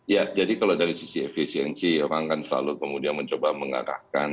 ya jadi kalau dari sisi efisiensi orang kan selalu kemudian mencoba mengarahkan